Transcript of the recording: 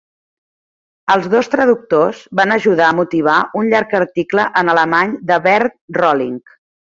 Els dos traductors van ajudar a motivar un llarg article en alemany de Bernd Rolling.